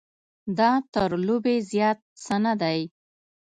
دا تر لوبې زیات څه نه دی.